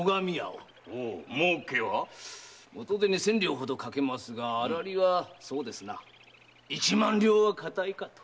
元手に千両ほどかけますが荒利はそうですな一万両は堅いかと。